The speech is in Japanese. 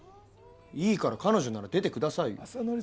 いいから彼女なら出て下さいよ。